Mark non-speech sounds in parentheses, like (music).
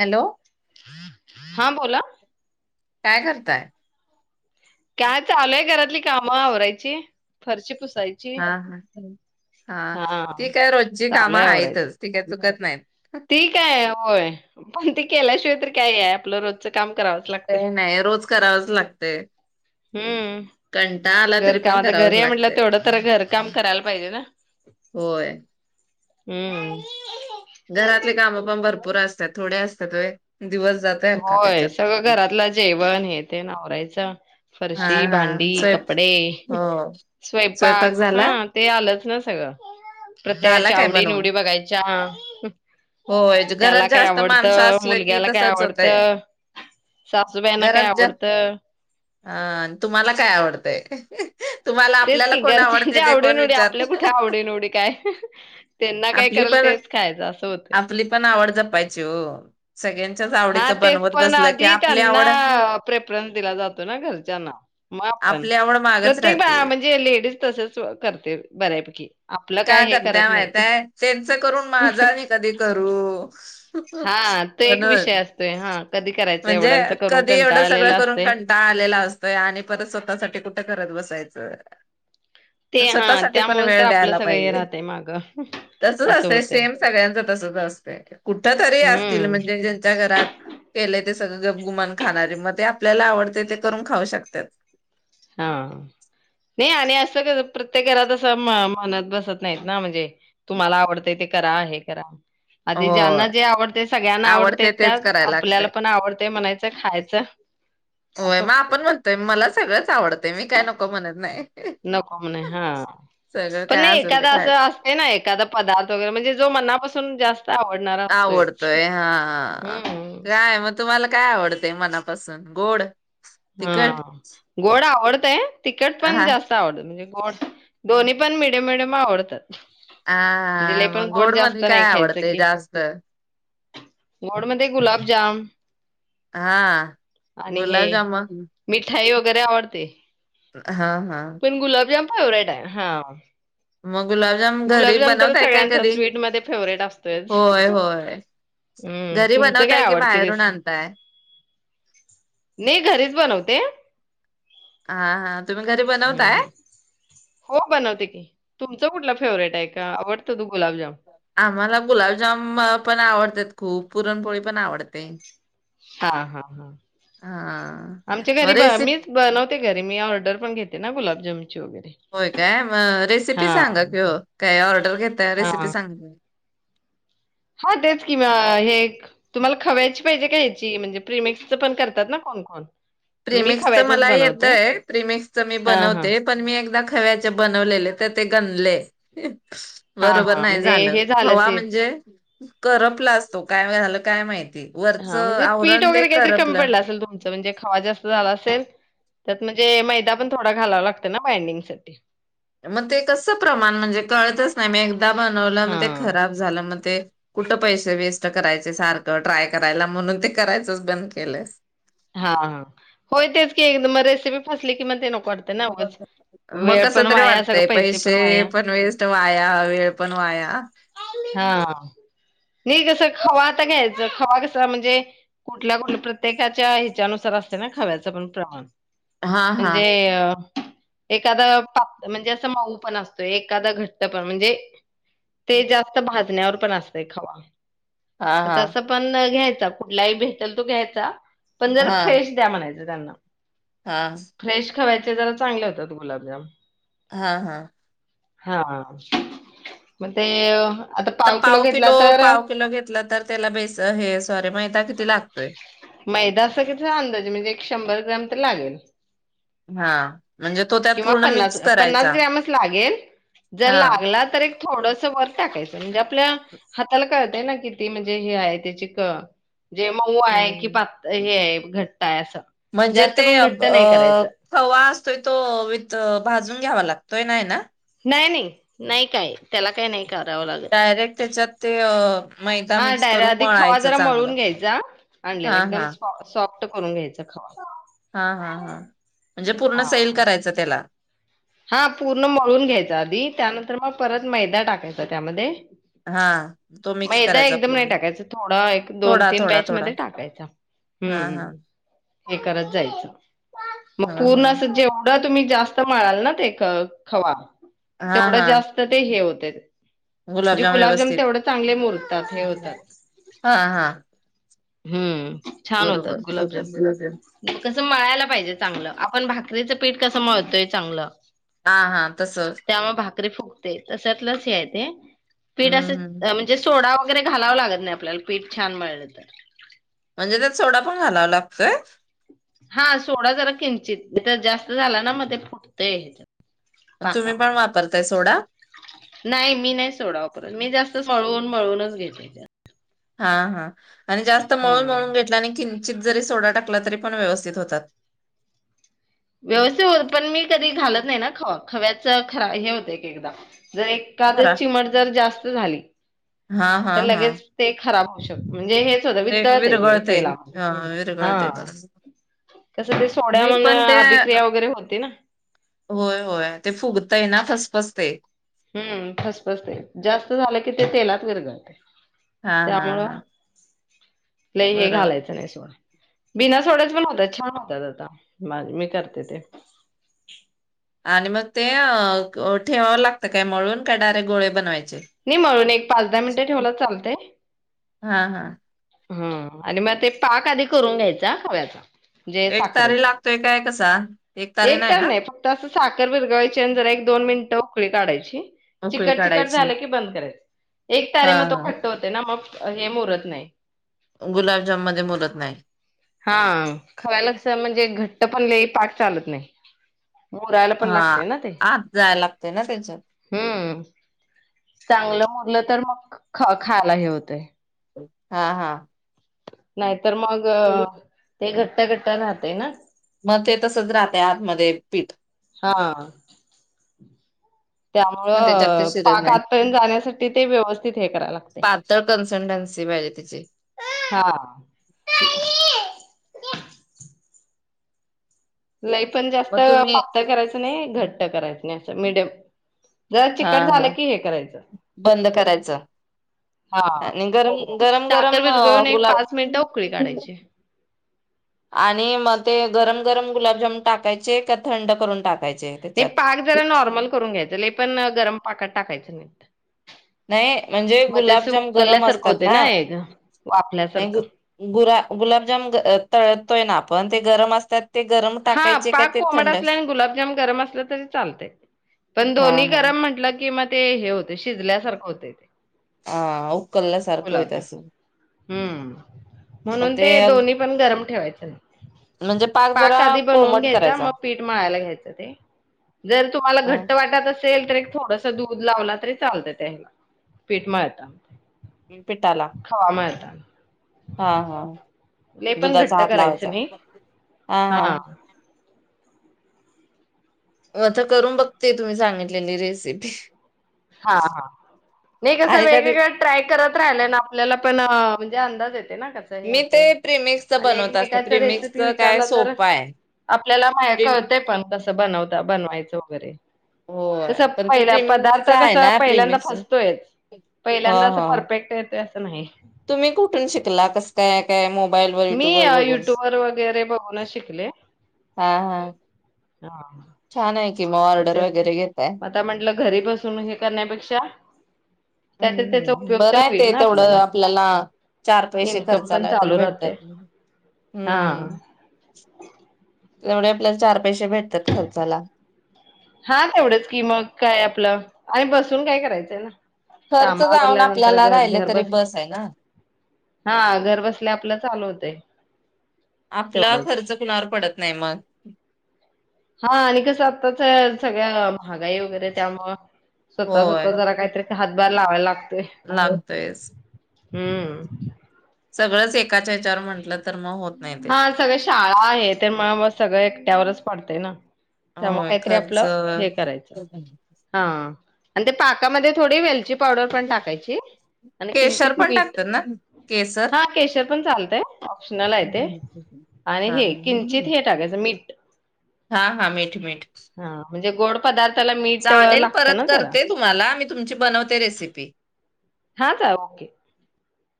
Hello हा बोला काय करताय काय चालूय घरातली कामं आवरायची फरची पुस्तक हा हा हा ती काय रोजची कामं आहेतच तठीकय तु नाही ठीक आहे होय पण ते केल्याशिवाय तरी काय आहे आपलं रोजचं काम करावंच लागतंय काय नाय रोज करावच लागतय. हम्म पण घरकाम आता करावंच घरी आहे म्हटलं लागतंय तेवढं तर घरकाम करायला पाहिजे ना? होय हम्म त्या थोड्या असत्यात व्हय? दिवस जातोय अख्खा होय त्याच्यात सगळं घरातलं जेवण हे ते आवरायचं हा फरशी, हा भांडी, स्वयं कपडे, हो स्वयंपाक, हा ते आलंच ना लच ना सगळं झाला प्रत्येकाच्या काय आवडी बनवून निवडी बघायच्या हम् (unintelligible) होय घरात जास्त माणसं असलं की मुलग्याला काय तसच होतय. आवडतं, सासूबाईंना काय घरात जा आवडतं. अ, तुम्हाला काय आवडतंय? (unintelligible) तेच आपल्याला की कोण घरच्यांची आवडते ते कोण आवडीनवडी आपल्या विचारत कुठे आवडीनवडी काय त्यांना काय करल तेच खायचं असं होतंय ली पण आवड जपायची ओ हा तेच पण आधी त्यांना प्रेफरन्स दिला जातो ना? घरच्यांना मग आपण आपली आवड मागच प्रत्येक राहते. बा म्हणजे लेडीज तसच करते बऱ्यापैकी आपलं का काय हे करत्या करत नाही. माहिताय त्यांचं करून माझा मी कधी करू हा तो एक विषय म्हणून असतोय हा कधी करायचं म्हणजे एवढ्यांचं करून कधी एवढं सगळं कंटाळलेलं करून असतंय. कंटाळा आलेला असतोय आणि परत स्वतःसाठी कुठे करत बसायचं? तर ते हा त्यामुळे तर आपलं सगळं हे पाहिजे. राहतय माग तसच असं असतंय होतय सेम सगळ्यांचं तसच असतय कुठतरी असतील म्हणजे ज्याच्या घरात केलय ते सगळं गपगुमन खाणारे मग ते आपल्याला आवडतय ते करून खाऊ शकतात. हा नाही आणि असं कस प्रत्येक घरातसं म्ह म्हणत बसत नाहीत ना? म्हणजे तुम्हाला आवडतय ते करा हे करा आधी ज्यांना होय जे आवडते सगळ्यांना आवडते तेच त्याच करायला कसं आपल्याला आहे. पण आवडते म्हणायचं खायचं असं होतेय आवडतेय मी काय नको म्हणत नाही. नको म्हणे, हा सगळं पण काय नाही असेल ते एखादा असं खायच असते ना एखादा पदार्थ वगैरे म्हणजे जो मनापासून जास्त आवडणारा असतोयच आवडतोय, हा हम्म काय मग तुम्हाला काय आवडतय मनापा नापासून गोड? हा तिखट गोड आवड तेय तिकट पण हा. जास्त आवडत म्हणजे दोन्ही पण मिडयम मिडियम आवडतात. म्हणजे लय हा पण मग गोड मध जास्त नाही काय खायचं आवडते की जास्त? गोड मधे गुलाबजाम हा आणि हे गुलाबजमुन मिठाई वगैरे आवडते. हा हा. पण गुलाबजाम फेवरेट आहे. हा. मग गुलाबजाम घरी गुलाबजाम तर बनवताय काय सगळ्यांचा कधी स्वीट मध्ये फेवरेट असतोयच. होय होय हम् घरी तुमच काय बनवताय की आवडते बाहेरून रेसी आणताय नाही घरीच बनवते. हा हा. तुम्ही घरी हम् बनवताय हम हो बनवते की. तुमच कुठलं फेवरेट आहे? का आवडतो तू गुलाजामन? आम्हाला गुलाबजाम पण आवडत खूप, पुरणपोळी पण आवडते. हा हा हा. हां. आमच्या मग घरी रेसिपी मीच बनवते घरी. मी ऑर्डर पण घेते. ते ना गुलाबजम होय काय मग रेसिपी सांगा कि, काय ऑर्डर घेता हा रेसिपी सांगा हा तेच कि हे तुम्हाला खवायची पाहिजे का? ह्याची म्हणजे प्रीमिक्स पण करतात ना कोण कोण? मी प्रिमिक्सच खव्याचच मला बनवते. येतय. प्रिमिक्सच मी हां, हां. बनवते पण मी एकदा खव्याचे बनवलेले तर ते गणले हां, बरोबर हां. नाही म्हणजे झालं. हे फवा असेल म्हणजे करपलाचं तो, काय झालं काय माहित? हा म्हणजे पीठ वगैरे काहीतरी कमी पडलं असेल तुमचं, म्हणजे खावा जास्त झा असेल, त्यात म्हणजे मैदा पण थोडा घालाव लागत ना बाइंडिंग साठी. मग ते कसं प्रमाण? म्हणजे कळतच नाही मी एकदा बनवलं मग ते हां, खराब झालं मग ते कुठं पैसे वेस्ट करायचे सारखं ट्राय करायला म्हणून ते करायचंच बंद केलंस. हा हा होय तेच की एकद मग रेसिपी फसली कि म ते नक मग कस तरी वाया सगळं वाटतंय पण पैसे वाया. पण वेस्ट वाया वेळ पण वाया हा नाही कस. खवाता घ्यायचं खवा कसा म्हणजे कुठल्या कुठ, प्रत्येकाच्या हिच्यानुसार असते ना खव्याचं पण प्रमाण. हा हा म्हणजे एखादं पा म्हणजे असं माऊ पण असतोय एखादा घट्ट पण म्हणजे ते जास्त भाजण्यावर पण असतं खावा. हा हा तस पण घ्यायचं कुठलाही भेटेल तो घ्यायचा पण जर हा फ्रेश द्या म्हणायच. जे त्यांना हा फ्रेश खव्याचे जरा चांगले होतात गुलाबजाम हा हा हा म तेे तर पाव किलो पाव किलो घेतलं तर त्याला बेस हे सॉरी मैदा किती लागतोय मैदा अस कि अंदाज म्हणजे एक शंभर ग्रॅम तर लागेल हा म्हणजे तो त्यात किंवा पूर्ण पन्स मिक्स पन्नास करायचा ग्रॅमच लागेल जर हा लागला तर थोडस वर टाकायचं म्हणजे आपल्या हाताला कळत आहे ना किती म्हणजे हे आहे त्याची क जे मग वाया आहे कि हम्म हे आहे घट म्हणजे ते करायचं हवा असतोय तो विथ भाजून घ्यावा लागतो तोय नाही ना नाही नाही नाही काय त्याला काही नाही करावं लागत डायरेक्ट त्याच्यात ते अ मैदा हा मिक्स डायर करून आधी हवा मळायचं जरा चांगलं. मळून घ्यायचा आणलेला हां एकदम सॉफ्ट कर घयचं खवा हा हा हा म्हणजे पूर्ण सैल हा करायचं त्याला हा पूर्ण मळून घ्यायचा आधी त्यानंतर मग परत मैदा टाकायचा त्यामध्ये हां. तो मिक्स मगदा करायचा एकदम नाही पूर्ण. टाकायच थोडा एक दोन थोडा तीन थोडा बॅच थोडा. मध्ये टाकायचा हां हां. हम्म् हे करत जायचं मग हां पूर्ण हां. अस जेवढं तुम्ही जास्त घट्ट मळाल ना ते खवा हां तेवढं हां. जास्त ते हे होत ते गुलाबजाम व्यवस्थित मुरतात हे होतात. हा हा हम्म छान होतात गुलाबजाम मळायला पाहिजे चांगलं आपण भाकरीचं पीठ कसं मळतोय चांगलं हां हां तसं. त्यामुळे भाकरी फुकते तशतलाच ते आहे ते पीठ हम्म हम्म. असं म्हणजे सोडा वगैरे घालाव लागत नाही आपल्याला पीठ छान मिळलं तर म्हणजे त्यात सोडा पण घालाव लागतोय हा सोडा जरा किंचित तर (unintelligible) जास्त झाला ना मग ते फुटतय पाका तुम्ही पण वापरताय सोडा? (unintelligible) नाही- मी -नाही सोडा वापरत मी जास्त'--' (unintelligible) मळून मळवूनच घेततायच्या हा हा आणि जास्त मळून मळून घेतला आणि किं '--' '--' जरी सोडा टाकला तरी पण व्यवस्थित होतात व्यवस्थित हो पण मी कधी घालत नाही ना खवा खव्याच खरा हे होत एक एकदा (inaudible) जर खरा. एखादच- चिमट जर जास्त झाली हां, हां, तर हां. लगेच ते खराब'--' शब्दो (unintelligible) ते विरगळते ह विरगळते हा कसं ते मी सोड्यामध्ये पण ते अभिक्रिया वगैरे होते ना '--' होय- होय ते फुगतय नास'--' स्वस्ते (unintelligible) हम्म खसपसते जास्त झालं की ते तेलात विरगळते हा -हा -हा लई हे घालायचं नाही सोडं'--' (unintelligible) बिना सोड्याच पण होतात छान होतात आता मा- मी करते ते आणि मग ते अं‌ ठेवावं लागतं काय मळून काय डायरेक्ट गोळे बनवायचे नाही -म्हणून एक पाच दहा मिनिटं ठेवला चालत हा- हा हम्म आणि मग ते पाक आधी करून घ्यायचा खव्याचा म्हण- जे एक तारी साखरेच लागतोय काय कसा? तारी एक तर ना? नाही फक्त असं साखर भिरगायचे जरा एक दोन मिनटं'--' '--'खकळी काढायची उकळी चिकट चिकट काढायची. झालं की बंद करायच एक तारे म हां, तो हां. खट्ट होते ना मग'--' हे (unintelligible) मोरत नाही गुलाबजाम मध्ये मुरत नाही हा खव्याला कस म्हणजे घट्ट पण लय पाक चालत नाही मुरायला पण हां, लागते ना ते आत जायला लागतंय ना त्याच्या? हम्म चांगलं मुरलं तर मग '--' ख -खायला हे होतय हा- हा नाही (unintelligible) तर मग ते घ'--' (unintelligible) त्या गटा राहतय ना (inaudible) म ते तसच राहतय आतमध्येध्ये पीठ हा मग त्याच्यात ते त्यामुळं शिरत पाक नाही आातपर्यंत जाण्यासाठी ते व्यवस्थित हे करा लागते पातळ कन्सल्टन्सी पाहिजे त्याची हा (inaudible) लय पण जास्त मग तुम्ही पातळ करायचं नाही घट्ट करायचं नाहीत'--' ते मिडीयम हा हा बंद करायचं हा आणि गरम गरम साखर गरम अ विरघळून एक गुलाब पाच मिनिटं उकळी काढायची आणि मग ते गरम गरम गुलाबजामुन टाकायचे का थंड करून टाका एक पाक जरा नॉर्मल करून घ्यायच त्या लय पण गरम पाकट टाकायचं नाहीत. नाही म्हणजे गुलाबजाम गरम उकलल्यासारखं असतात होते ना एग (unintelligible) वाफल्यासारखं गुला गुलाबजाम तळतोय ना आपण ते गरम असतात. ते गरम हा टाकायचे का पाक ते कोमट थंड असले आणि गुलाबजाम गरम असलं तरी चालत पण हा दोन्ही हा गरम म्हटलं की म ते हे होतय शिजल्यासारखं होतय ते हा उकलल्या सारखं होईत गुलाबजाम. असनं हम्म म म्हणून ते दोन्ही पण गरम म्हणजे पाक जरां का आधी बनवून घ्यायचा मग पीठ मळायला घायच ते जर तुम्हाला घट वाटत अस सेल तर एक थोडस दूध लावला तरी चालतय त्या ह्याला पीठ मळताना. पिठाला हा मळताना. हा हा लय पण दुधाचा घट्ट हात करायचं लावाचा नाही हा हो आता करून बघते तुम्ही सांगितलेली रेसिपी हा हा नाही कसं आणि त्यात वेगवेगळं ट्राय करत राहिलंय ना आपल्याला पण अ म्हणजे अंदाज येत येते ना कस हे मी ते होतय प्रिमिक्सच आणि बनवत असते एकमेकांच्या रेसिपी प्रिमिक्सच काय विचारला तर सोपं आहे आपल्याला मा प्रिम कळतय पण कस बनवता बनवायचं वगैरे कस होय पण ते पहिला प्रिमिक्सच पदार्थ आहे कस त ना पहिल्यांदा प्रिमिक्स फसतोयच हा पहिल्यांदा अस हा परफेक्ट येतय अस नाही. तुम्ही कुठून शिकला कस काय काय मोब मी युट्यूबर वगैरे बघुनंच शिकले. हा हा हा छान आहे. की मग म ऑर्डर त्यात वगैरे घेताय म आता म्हंटलं घरी बसून हे करण्यापेक्षा काहीतरी त्याचा हम्म उपयोग बरं तरी आहे होईल ते ना तेवढं आपल्याला चार पैसे इन्कम पण खर्चाला तरी चालू भेटतात. राहतय हा त्यामुळे आपल्याला चार पैसे भेटतात खर्चाला हा तेवढंच की मग काय आपलं आणि बसून काय करायचंय ना खर्च जाऊन कामावरल्यानंतर आपल्याला घर राहिलं घर तरी बसल बस आहे ना. हा घर बसल्या आपलं चालू होतय आपला तेवढच खर्च कुणावर पडत नाही मग हा आणि कसं आत्ताच सगळ्या महागाई वगैरे त्यामुंळ स्वतः होय स्वतः जरा काहीतरी हातभार लावायला लागतोय. लागतोयच. हम्म सगळंच एकाच्या हच्यावर म्हंटल हा सगळ शाळा हे ते म म सगळ त्यावरच पडतेय ना त्यामुळे होय काहीतरी खर्च आपलं हे करायचं हा आणि ते पाकामध्ये थोडी वेलची पावडर पण टाकायची आणि केशर किंचित पण मीठ टाकतात ना केसर? हा केशर पण चालतय काय ते आणि हा हे किंचित हे टाकाय (unintelligible) मीठ हा हा मीठ मीठ हा म्हणजे गोड पदार्थ चालेल परत करते तुम्हाला मी तुमची बनवते रेसिपी हाच ओके